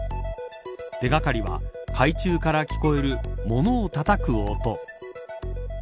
手掛かりは、海中から聞こえる物をたたく音。